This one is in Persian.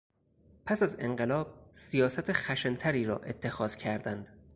پس از انقلاب سیاست خشنتری را اتخاذ کردند.